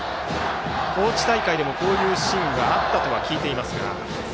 高知大会でもこういうシーンがあったとは聞いています。